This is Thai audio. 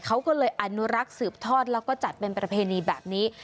เขาก็เลยอนุรักษ์สืบทอดแล้วก็จัดเป็นประเพณีแบบนี้